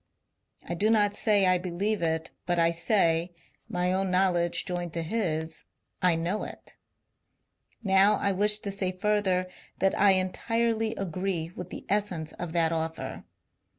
I do not say I believe it, but I say — my own knowledge joined to his — I know it Now I wish to say further that 1 entirely agree with the essence of that offer.